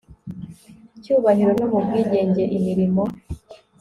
cyubahiro no mu bwigenge imirimo